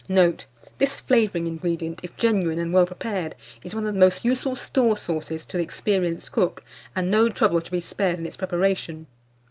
Note. This flavouring ingredient, if genuine and well prepared, is one of the most useful store sauces to the experienced cook, and no trouble should be spared in its preparation.